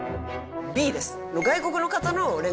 Ｂです。